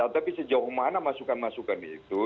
tapi sejauh mana masukan masukan itu